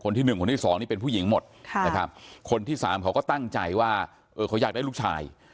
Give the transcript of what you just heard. หนึ่งคนที่สองนี่เป็นผู้หญิงหมดนะครับคนที่สามเขาก็ตั้งใจว่าเออเขาอยากได้ลูกชาย